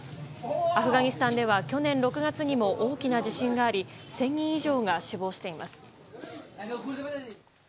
アフガニスタンでは去年６月にも大きな地震があり１０００人以上が死亡しています。